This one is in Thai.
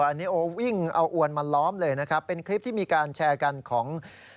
อันนี้โอ้วิ่งเอาอวนมาล้อมเลยนะครับเป็นคลิปที่มีการแชร์กันของ